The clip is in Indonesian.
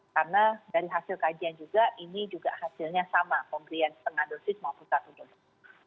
karena dari hasil kajian juga ini juga hasilnya sama pemberian setengah dosis maupun satu dosis